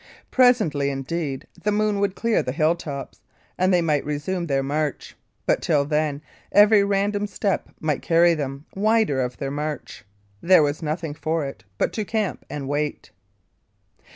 Presently, indeed, the moon would clear the hilltops, and they might resume their march. But till then, every random step might carry them wider of their march. There was nothing for it but to camp and wait.